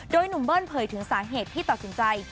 โดยหนุ่มเบิ้ลเผยถึงสาเหตุที่ตัดสินใจ